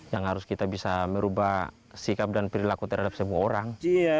yang harus kita bisa merubah sikap dan perilaku terhadap semua orang